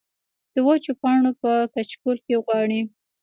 د وچو پاڼو پۀ کچکول کې غواړي